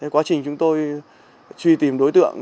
quá trình chúng tôi truy tìm đối tượng